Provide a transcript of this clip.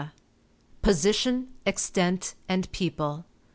vra6xf Position, Extent, and People.